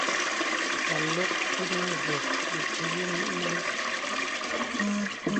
Ālok inə və ódǐbī mān.